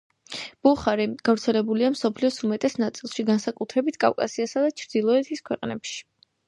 ბუხარი გავრცელებულია მსოფლიოს უმეტეს ნაწილში, განსაკუთრებით კავკასიასა და ჩრდილოეთის ქვეყნებში.